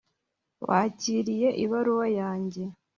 wakiriye ibaruwa yanjye